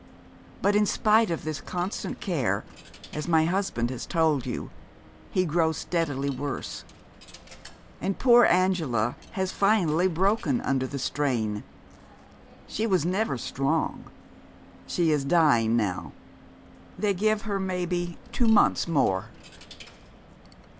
But in spite of this constant care, as my husband has told you, he grows steadily worse. And poor Angela has finally broken under the strain. She was never strong. She is dying now they give her maybe two months more.